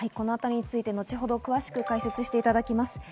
後ほど詳しく解説していただきます。